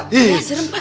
iya serem pak